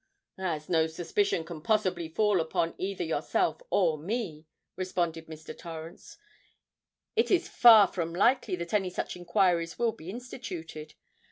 "As no suspicion can possibly fall upon either yourself or me," responded Mr. Torrens, "it is far from likely that any such enquiries will be instituted.